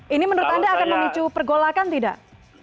ini menurut anda akan memicu pergolakan tidak